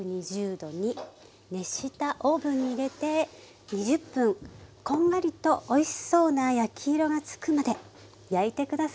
℃に熱したオーブンに入れて２０分こんがりとおいしそうな焼き色がつくまで焼いて下さい。